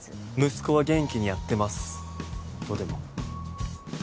息子は元気にやってますとでも？